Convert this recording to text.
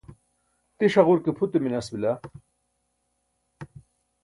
tiṣ haġur ke pute minas bila